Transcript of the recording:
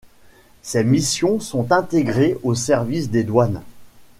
Ses missions sont intégrées au service des douanes.